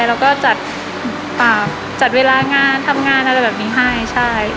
แล้วก็จัดเวลางานทำงานอะไรแบบนี้ให้ใช่